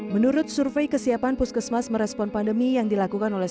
menurut survei kesiapan puskesmas merespon pandemi yang dilakukan oleh